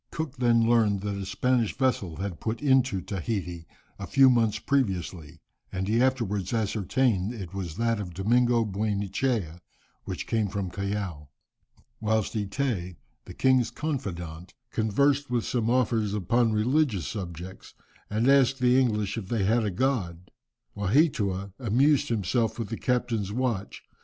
Cook then learned that a Spanish vessel had put into Tahiti a few months previously, and he afterwards ascertained that it was that of Domingo Buenechea, which came from Callao. Whilst Eteé, the king's confidant, conversed with some officers upon religious subjects, and asked the English if they had a god, Waheatua amused himself with the captain's watch.